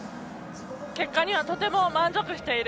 結果にはとても満足している。